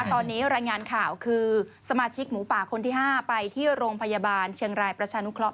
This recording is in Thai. ตอนนี้รายงานข่าวคือสมาชิกหมูป่าคนที่๕ไปที่โรงพยาบาลเชียงรายประชานุเคราะ